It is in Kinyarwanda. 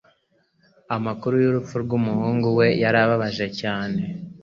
Amakuru y'urupfu rw'umuhungu we yarababaje cyane.